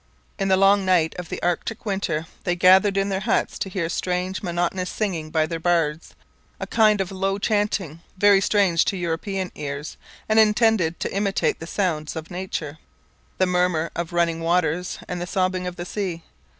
In the long night of the Arctic winter they gathered in their huts to hear strange monotonous singing by their bards: a kind of low chanting, very strange to European ears, and intended to imitate the sounds of nature, the murmur of running waters and the sobbing of the sea.